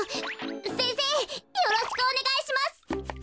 せんせいよろしくおねがいします。